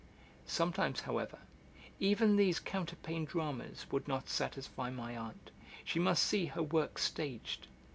Sometimes, however, even these counterpane dramas would not satisfy my aunt; she must see her work staged.